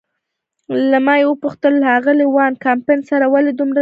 له ما یې وپوښتل: له آغلې وان کمپن سره ولې دومره رډ شوې؟